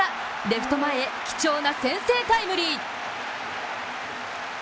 レフト前へ貴重な先制タイムリー。